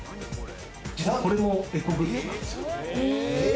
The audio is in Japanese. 実は、これもエコグッズなんです。